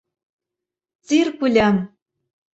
— Циркульым!..